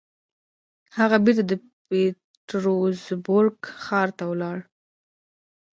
هغه بېرته د پيټرزبورګ ښار ته ولاړ.